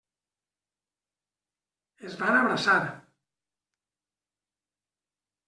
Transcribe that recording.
Es van abraçar.